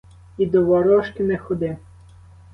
І до ворожки не ходи!